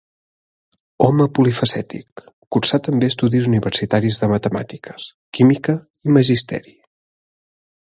Home polifacètic, cursà també estudis universitaris de Matemàtiques, Química i Magisteri.